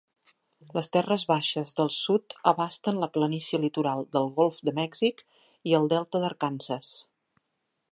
Les terres baixes del sud abasten la planícia litoral del Golf de Mèxic i el Delta d'Arkansas.